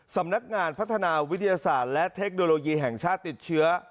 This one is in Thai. สำนักงานพัฒนาวิทยาศาสตร์และเทคโนโลยีแห่งชาติติดเชื้อ